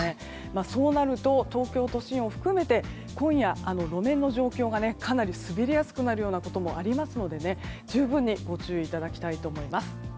そうなると、東京都心を含めて今夜、路面の状況がかなり滑りやすくなることもありますので十分にご注意いただきたいと思います。